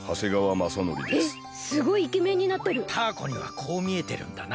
タアコにはこうみえてるんだな。